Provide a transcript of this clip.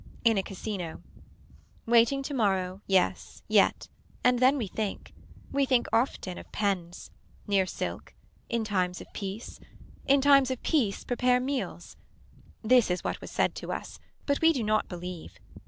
In a Casino. Waiting tomorrow yes yet. And then we think. We think often of pens. Near silk. In times of peace. In times of peace Prepare meals. This is what was said to us But we do not believe.